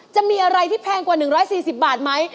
จะมีอะไรที่แพงกว่า๑๔๐บาทไหม